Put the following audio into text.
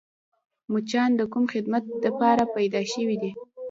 مچان د کوم خدمت دپاره پیدا شوي دي؟